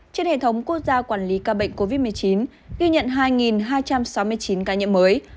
trên hệ thống quốc gia quản lý ca bệnh covid một mươi chín ghi nhận hai hai trăm sáu mươi chín ca nhiễm mới